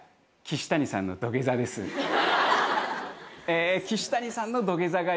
キシタニさんの土下座がいいんです。